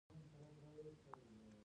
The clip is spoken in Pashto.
پښتون په خپل شهید ویاړي.